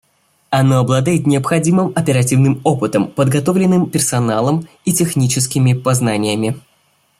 Оно обладает необходимым оперативным опытом, подготовленным персоналом и техническими познаниями.